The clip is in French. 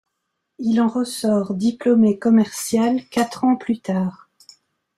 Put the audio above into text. Il en ressort diplômé commercial quatre ans plus tard.